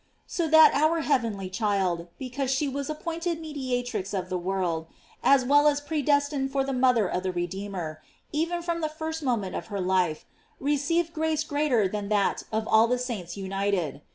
f So that our heavenly child, because she was appointed mediatrix of the world, as well as pre destined for the mother of the Redeemer, even from the first moment of her life, received grace greater than that of all the saints united.